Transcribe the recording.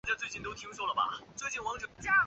皮特姆。